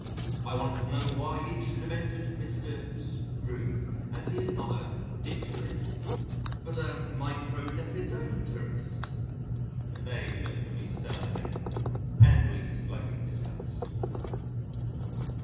I wanted to know why it should have entered Mr. 's room as he is not a dipterist but a microlepidopterist. They looked at me sternly and we slowly dispersed.